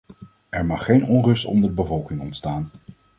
Er mag geen onrust onder de bevolking ontstaan.